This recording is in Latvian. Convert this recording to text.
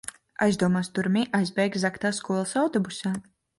Aizdomās turamie aizbēga zagtā skolas autobusā.